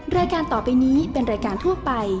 รายการต่อไปนี้เป็นรายการทั่วไป